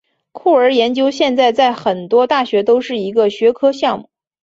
酷儿研究现在在很多大学都是一个学科项目。